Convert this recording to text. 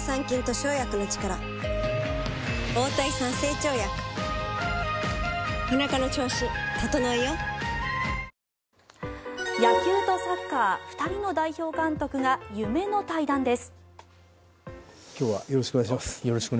卵は必需品というか野球とサッカー２人の代表監督が夢の対談です。